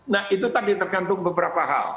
nah itu tadi tergantung beberapa hal